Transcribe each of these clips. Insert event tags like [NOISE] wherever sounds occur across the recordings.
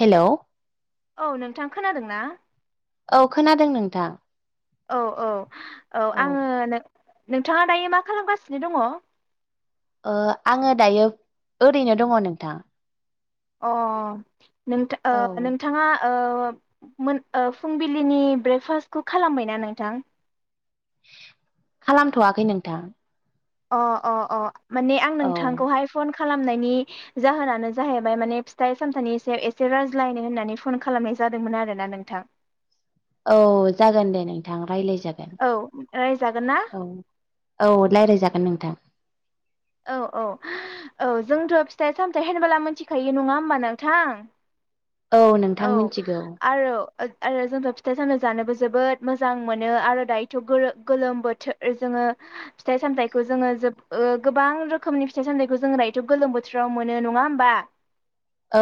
हेल' औ नोंथां खोनादों ना औ खोनादों नोंथां औ औ औ आङो नोंथाङा दायो मा खालामगासिनो दङ? ओ आङो दायो ओरैनो दङ नोंथां अ नोंथ औ ओ नोंथाङा ओ मोन फुंबिलिनि ब्रेकफास्टखौ खालामबायना नोंथां? खालामथ'वाखै नोंथां अ अ अ माने आं औ नोंथांखौहाय फन खालामनायनि जाहोनानो जाहैबाय माने फिथाइ सामथाइनि एसे एसे रायज्लायनो होननानै फन खालामनाय जादोंमोन आरोना नोंथां औ जागोन दे नोंथां रायलाय जागोन औ रायजागोन ना औ-औ रायलायजागोन नोंथां। औ-औ-औ जोंथ' फिथाइ सामथायाइ होनोबोला मिथिखायो नङा होमबा नोंथां। औ नोंथां मिथिगौ आरो। ओद आरो जोंथ' फिथाइ सामाइ जानोबो जोबोद मोजां मोनो आरो दायोथ' गोलो गोलोम बोथोर ओ जों ओ फिथाइ सामथायखौ जोङो जोम ओ गोबां रोखोमनि फिथाइ सामथखौ जोङो दायोथ' गोलोम बोथ्रोाव मोनो। ओ नंङा होमबा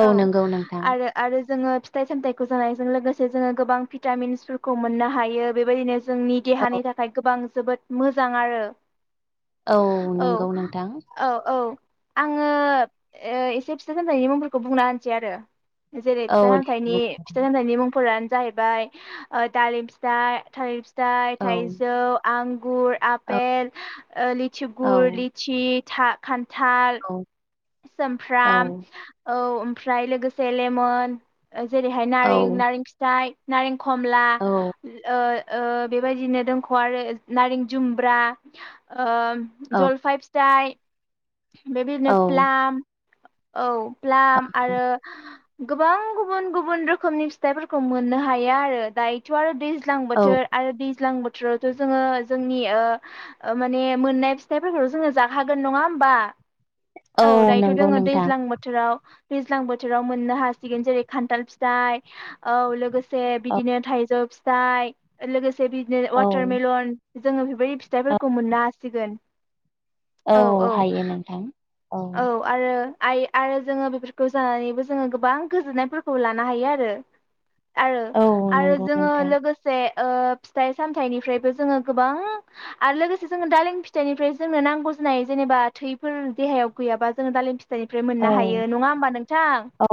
औ नंगौ नोंथां आरो-आरो जोङो फिथाइ सामथाइखौ जानायजों लोगोसे जोङो गोबां भिटामिन्सफोरखौ मोननो हायो बेबायनो। जोंनि औ देहानि थाखाय गोबां जोबोद मोजां आरो। औ नंगौ नोंथां औ-औ-औ। आङो एओ एसे फिथाइ सामथायनि मुंफोरखौ बुंना होनोसै आरो। जेरै औ फिथाइ दे हामथायनि बुं फिथाइ सामथायनि मुंफोरा जाहैबाय ओ दालिम फिथाय थालिर फिथाइ औ थाइजौ आं गुर औ आपेल ओ औ लिचुगुर लिचि था खान्थाल औ औ सोमफ्राम औ ओमफ्राय लोगोसे लेमन। ओ जेरैहाय नारें नारें फिथाइ नारें खमला औ ओ ओ बेबायदिनो दोनख' आरो नारें जुमब्रा ओ ओम औ जलफाइ फिथाइ। बेबिनो औ प्लाम औ प्लाम आरो गोबां गुबुन गुबुन रोखोमनि फिथाइफोरखौ मोननो हायो आरो दायोथ' आरो दैज ज्लां औ बोथोर आरो दैज्लां बो थ्रोरावथ' जोङो जोंनि ओ ओ माने मोननाय फिथाइफोरखौ जोङो जाखागोन नङा होमबा औ दायोथ' नंगौ दोङो नोंथां दैज्लां बोथोराव दैज्लां बोथोराव मोननो हासिगोन जेरै खान्थाल फिथाइ औ लोगो से औ बिदिनो थाइजौ फिथाइ लोगोसे बिदिनो औ वाटारमेलन जोङो बेफोर बै फिथाइफोरखौ मोननो हासिगोन। औ हायो नोंथां। औ आरो आइ आरो जोङो बेफोरखौ जानानैबो जोङो गोबां गोजोननायफोरखौ लानो हायो आरो आरो औ आरो नंगौ जोङो नोंथां लोगोसे ओ फिथाइ सामथायनिफ्रायबो जोङो गोबां आरो लोगोसे जोङो दालिम फिथाइनिफ्राय जोंनो नांगौ नाय जेनेबा थैफोर देहायाव गैयाबा जोङो दालिम फि फ्रायनिफ्राय मोनना औ हायो नङा होमबा नोंथां औ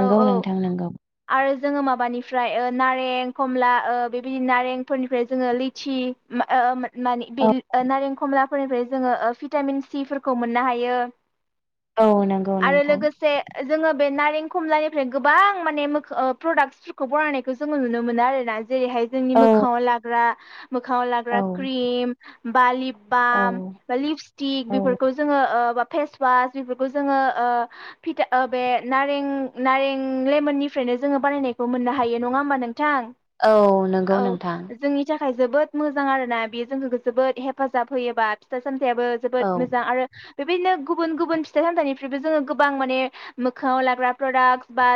औ औ नोंथां नंगौ आरो जोङो माबानिफ्राय ओ नारें खमला ओ बेबादि नारेंफोरनिफ्राय जोङो लिचि ओ मा ओ मानि औ बिल ओ नारें खमलाफोरनिफ्राय जोङो ओ भिटामिन सिफोरखौ मोननो हायो। औ नंगौ नोंथां। ओ जोङो बे नारें खमलानिफ्राय गोबां माने मोख ओ प्रडाक्टसफोरखौ बरायनायखौ जोङो नुनो मोनो आरोना जेरैहाय जोंनि औ मोखाङाव लाग्रा मोखाङाव औ लाग्रा क्रिम बालि औ बाम बा लिपस्टिक औ बेफोरखौ जोङो ओ बा फेसवास बेफोरखौ जोङो ओ भिटा ओ बे नारें नारें लेमोननि फ्रायनो जोङो बानायनायखौ मोननो हायो नङा होमबा नोंथां औ नंगौ औ नोंथां जोंनि था खाय जोबोद मोजां आरोना बेयो जोंखो जोबोद हेफाजाब होयोबा फिथाइ सान थाइयाबो औ जोबोद मोजां आरो बेबायदिनो गुबुन गुबुन फिथाइ सामथाइनिफ्रायबो जोङो गोबां माने मोखाङाव लाग्रा प्रडाक्स बा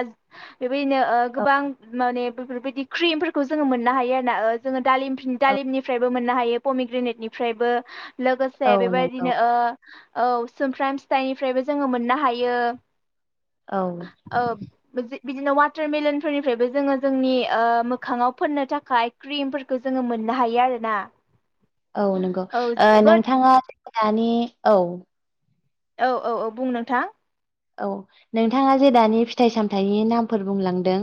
बे बैनो औ गोबां माने बेफोरबायदि क्रिमफोरखौ जोङो मोननो हायो आरोना ओ जोङो दालिम फिन औ दालिमनिफ्रायबो मोननो हायो पमिग्रेनेटनिफ्रायबो औ लोगोसे नंगौ बेबायदिनो ओ औ सोमफ्राम फिथाइनिफ्रायबो जोङो मोननो हायो। औ [UNINTELLIGIBLE] बिदिनो वाटारमेलन फोरनिफ्रायबो जोङो जोंनि ओ मोखाङाव फोननो थाखाय क्रिमफोरखो जोङो मोननो हायो आरोना औ नंगौ औ जोबोद नोंथाङा दानि औ औ औ औ बुं नोंथां। औ नोंथाङा जे दानि फिथाइ सामथाइनि नामफोर बुंलांदों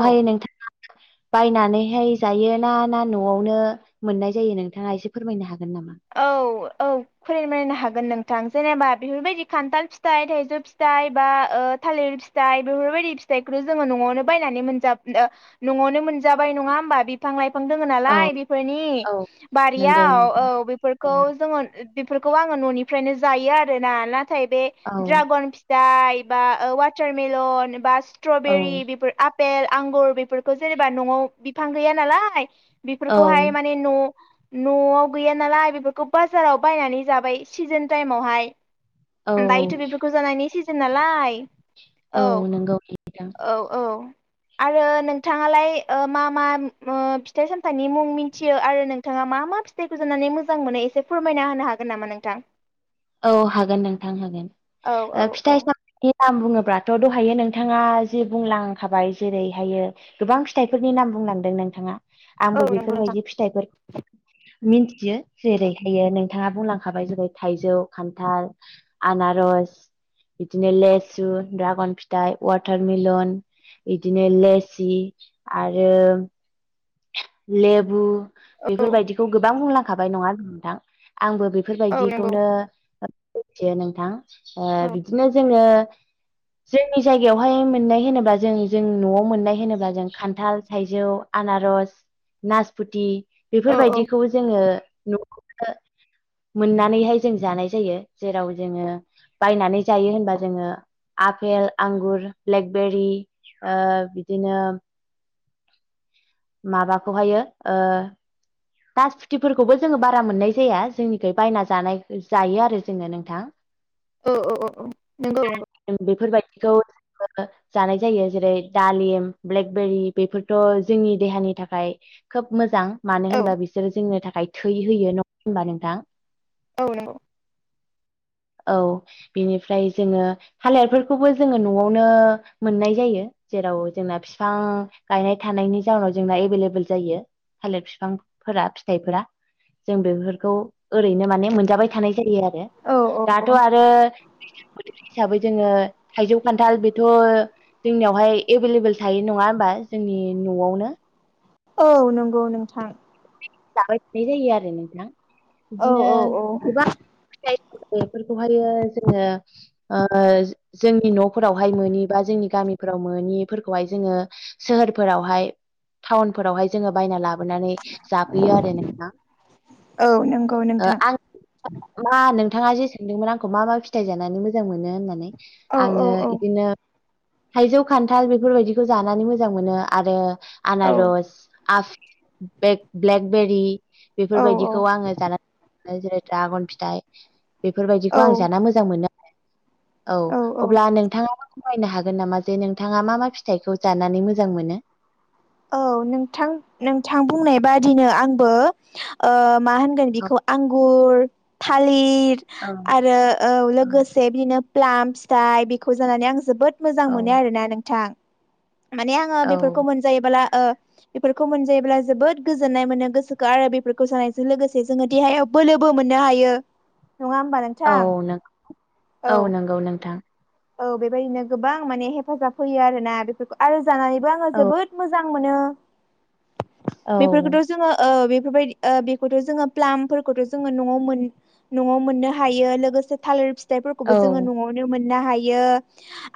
औ नोंथाङा [INAUDIBLE] बायनानैहाय जायो ना ना न'आवनो मोननाय जायो नोंथाङा एसे फोरमायनो हागोन नामा? औ औ [UNINTELLIGIBLE] हागोन नोंथां जेनेबा बेफोरबायदि खान्थाल फिथाइ थाइजौ फिथाइ बा थालिर फिथाइ बेफोरबायदि फिथखौ जोङो न'आवनो बायनानै मोन नो मोनजाबाय नङा होमबा बिफां लाइफ फां दङ औ नालाय बेफोरनि औ नंगौ बारियाव औ नोंथां औ बेफोरखौ जोङो बेफोरखौ आङो न'निफ्रायनो जायो आरो ना नाथाय बे औ ड्रागन फिथाइ बा वाटारमेलन बा स्ट्र औ बेरि बेफोर आ पेल आंगुर बेफोरखौ जेनेबा न'आव बिफां गैया नालाय बेफोरखौहाय औ माने न'-न'आव गैया नालाय बे फोरखौ बाजारावहाय बायनानै जाबाय सिजोन टाइमावहाय औ ओमफाय बेफोरखौ जानायनि सि नालाय औ नंगौ नोंथां औ औ आरो नोंथाङालाय मा मा फिथाइ सामथाइनि मुं मिन्थियो आरो नोंथाङा मा मा फिथाइखौजानानै मोजां मोनो एसे फोरमायना होनो हागोन नामा नोंथां औ हागोन नोंथां होगोन औ औ औ नाम बुङोब्लाथ' दहायो नोंथाङा जे बुंलांखाबाय जेरैहायो गोबां फिथाइफोरनि नाम बुं लांदों नोंथाङा आंबो औ नंगौ नोंथां बेफोरबायदि फिथाइफोरखौ मिनथियो जेरैहायो नोंथाङा बुंलांखाबाय जेरै थाइजौ खान्थाल आनारस बिदिनो लेसु दड्रागन फिथाइ वाटारमेलन बिदिनो लेसि आरो लेबु औ बेफोरबायदिखौ गोबां बुंलांखाबाय नङा होमबा नोंथां आंबो औ नंगौ बेफोरबायदिखौनो मिथियो नोंथां औ बिदिनो जोंङो [INAUDIBLE] जोंनि जायगायावहाय मोननाय होनोबा जों जों न'आव मोननाय होनोब्ला जों खान्थाल थाइजौ आना रस नासपुथि औ औ बेफोरबायदिखौ जोंङो न'खौनो मोननानैहाय जों जानाय जायो जेराव जोंङो बायनानै जायो होनबा जोंङो आफेल आंगुर ब्लेकबेरि ओ बिदिनो माबाखौहायो ओ नास फुथिफोरखौबो जोंङो बारा मोननाय जाया जोंनिख बायना जानाय जायो आरो जोंङो नोंथां औ औ नंगौ नंगौ बेफोरबायदिखौ जानाय जायो जेरै दालिम ब्लेकबेरि बेफोरथ' जोंनि देहानि थाखाय खोब मोजां मानो औ होनबा बिसोरो जोंनो थाखाय थै होयो नङा होनबा नोंथां औ नंगौ औ बेनिफ्राय जोंङो थालिरफोरखौबो जोङो न'आवनो मोननाय जायो। जेराव जोंना बिफां गायनाय थानायनि जाउनाव जोंना एबोल‌एबोल जायो। थालिर बिफांफोरा फिथाइफोरा जों बेफोरखौ ओरैनो माने मोनजाबाय थानाय जायो आरो। औ औ दाथ' औ आरो बोथोर हिसाबै जोंङो थाइजौ खान्थाल बेथ' जोंनियावहाय एभेलेबल थायो नङा होमबा दा जोंनि न'आवनो औ नंगौ नोंथां जाबायथानाय जायो आरो नोंथाङा औ बिदिनो औ औ गोबां फिथाय बेफोरखौहायो जोंङो ओ जोंनि न'फोरावहाय मोनि बा जोंनि गामिफोर राव मोनि फोरखौहाय जोंङो सोहोरफोरावहाय टाउनफोरावहाय जोंङो बायना लाबोनानै जाफैयो आरो नोंथां। औ नंगौ ओ नोंथां आं मा नों नोंथाङा जे सोंदोंमोन आंखौ मा-मा फिथाइ जानानै मोजां मोनो होननानै औ आंङो औ औ बिदिनो थाइजौ खान्थाल बेफोरबायदिखौ जानानै मोजां मोनो आरो औ आनारस आफ ब्लेक-ब्लेकबेरि औ बेफोरबायदिखौ आंङो जानानै जेरै द्रागन फिथाइ औ बेफोरबायदिखौ आं जाना मोजां मोनो। औ अब्ला नोंथाङा फोरमायनो हागोन नामा जे नोंथाङा मा-मा फिथाइखौ जानानै मोजां मोनो औ नोंथां नोंथां बुंनाय बादिनो आंबो ओ मा होनगोन औ बेखौ आंगुर था लिर औ आरो औ लोगोसे बिदिनो प्लाम फिथाइ बेखौ जानानै आं जोबोद मोजां औ मोनो आरोना नोंथां। माने आंङो औ बेफोरखौ मोन ओ बेफोरखौ मोनायोब्ला जोबोद गोजोननाय मोन गोसोखौ आरो बेफोरखौ जानायजों लोगोसे जों देहा याव बोलोबो मोननो हायो। नङा होमबा नोंथां? औ नों औ नंगौ नोंथां औ बेबायदिनो गोबां माने हेफाजाब होयो आरोना बेफोरखौ आरो जानानैबो आंङो औ जोबोद मोजां मोनो औ बेफोरखौथ' जोङो ओ बेफोरबायदि बेखौथ' जोङो प्लामफोरखौथ' जोङो न न'आव मोननो हायो लोगोसे थालिर फि फिथाइफोरखौबो औ जोङो न'आवनो मोननो हायो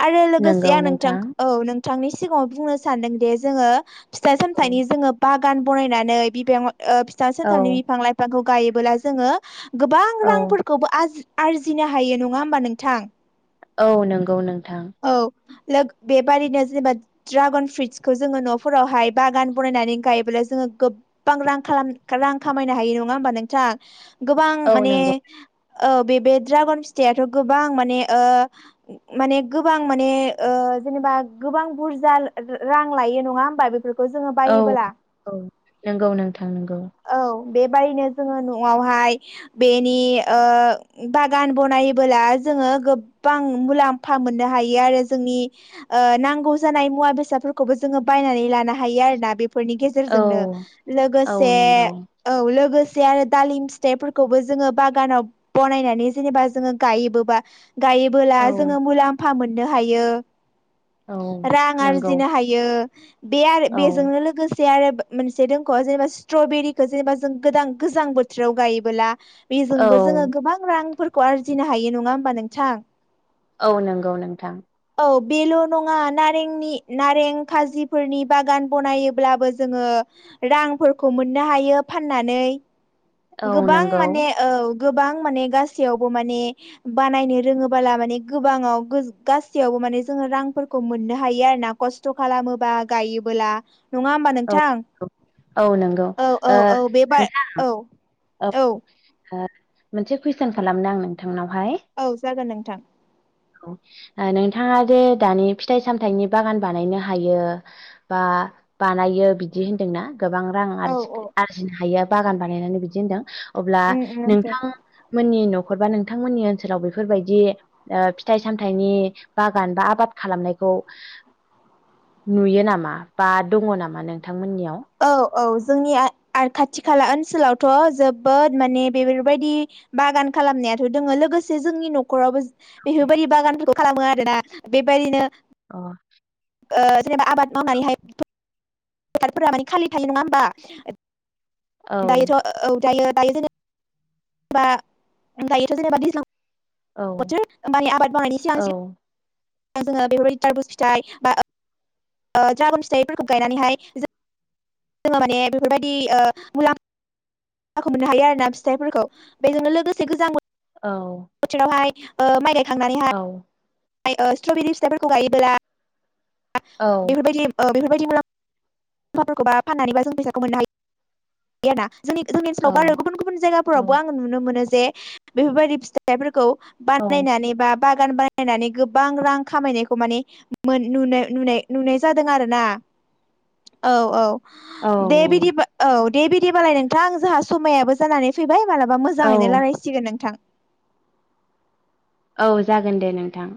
आरो लोगोसे आं नोंथां औ नोंथांनि सिगाङाव बुंनो सानदों दि जोङो फिथाइ औ सामथाइनि जोंङो बागान बनायनानै बिबां ओ फिथाइ सामथाइनि औ बिफां-लाइफांखौ गायोबोला जोंङो गोबां औ रांफोरखौबो आजि आरजिनो हायो नङा होमबा नोंथां? औ नंगौ नोंथां। औ लोग बेबादिनो जेनेबा ड्रागन फ्रुइटसखौ जोङो न'फोरावहाय बागान बनायनानै गायब्ला जोङो गोबां रां रां खामायनो हायो नङा होमबा नोंथां? गोबां औ माने नंगौ औ बे ड्रागन फिथाइाथ' गोबां माने ओ माने गोबां माने ओ जेनेबा गोबां बुरजा रां लायो नङा होमबा बेफोरखौ जोङो औ बायोबोला औ नंगौ नोंथां नंगौ। औ बेबायदिनो जोङो न'आवहाय बेनि ओ बागान बनायोब्ला ज गोबां मुलाम मोननो हायो आरो जोंनि ओ नांगौजानाय मुवा बेसादफोरखौबो जोंङो बायनानै लानो हायो आरो ना। बेफोरनि औ गेजेरजोंनो औ लोगोसे नंगौ औ लोगोसे से आरो दालिम फिथाइफोरखौबो जोङो बागानाव बानायनानै जेनेबा जोंङो गायोबोबा गायोबोला औ जोंङो मुलाम्फा मोननो हायो। औ रां नंगौ आरजिनो हायो बे आरो औ बेजोंनो लोगोसे मोन आरो मोनसे दंख' जेनेबा स्ट्रबेरिखौ जेनेबा जों गो गोजां बोथोराव गायोबोला औ बेजोंबो जोङो गोबां रांफोरखौ आरजिनो हायो नङा होमबा नोंथां? औ नंगौ नोंथां। औ बेल' नङा नारेंनि नारें खाजिफोरनि बागान बनायोब्लाबो जोङो रांफोरखौ मोननो हायो फाननानै औ गोबां नंगौ माने औ गोबां माने गासैयावबो माने बानायनो रोङोबोला माने गोबाङाव गासैयावबो माने जोङो रांफोरखौ मोननो हायो आरो ना खस्थ' खालामोबा गायोबोला नङा होमबा औ नोंथां? औ नंगौ औ औ ओ औ बेबा नोंथां औ ओ औ मोनसे कुइसन खालामनो आं नोंथांनाव। औ जागोन नोंथां। औ नोंथाङा जे दानि फिथाइ सामथाइनि बागान बानायनो हायो। बा बा बानायो बिदि होनदोंना। गोबां रां औ औ आरजिनो हायो बागान बानायनानै बिदि होनदों? अब्ला उम उम नोंथां नोंथांमोननि न'खर बा नोंथांमोननि ओनसोलाव बेफोरबायदि ओ फिथाइ सामथायाइनि बागान बा आबाद खालामनायखौ नुयो नामा बा दङ नामा नोंथांमोननियाव? औ औ जोंनि खाथि खाला ओनसोलावथ' जोबोद माने बेफोरबायदि बागान खालामनायाथ' दोङो लोगोसे जोंनि न'खरावबो बेफोरबायदि बागानफोरखौ खालामो आरोना बेबायदिनो अ ओ जेनेबा आबाद मावनानैहायबादफोरा माने खालि थायो नङा होमबा। औ दायोथ ओ दायो दायो जे दायोथ' जेनेबा दैज्लां औ बोथोर आबाद मावनायनि सिगां औ सिगां जोङो बेफोरबायदि द्राबु फिथाइ बा द्रागन फिथाइफोरखौ गायनानैहाय जों जोङो माने बेफोरबायदि ओ मुलाम फाखौ मोननो हायो आरो ना फिथाइफोरखौ बेजोंनो लोगोसे गोजां बो औ थोरावहाय माइ गायखांनानैहाय औ ओ स्ट्रबेरि फिथाइफोरखौ गायोब्ला औ बेफोरबायदि [UNINTELLIGIBLE] जोंनि जोंनि औ ओनोलावबो आरो गुबुन गुबुन औ जायगाफोरावबो आङो नुनो मोनो जे बेफोरबायदि फिथाइफोरखौ बानायनानै बा बागान बानायनानै गोबां रां खामायनायखौ माने मोन नुनो नुनाय नुनाय जादों आरोना औ औ औ दे बिदि औ। दे बिदिबालाय नोंथां आं जोंहा समायाबो जानानै फैबाय मालाबा औ मोजाङैनो रायलायसिगोन नोंथां। औ जागोन दे नोंथां।